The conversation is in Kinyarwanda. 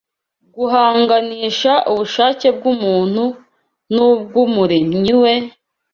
guhanganisha ubushake bw’umuntu n’ubw’Umuremyi we